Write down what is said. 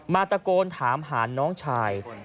ตะโกนถามหาน้องชาย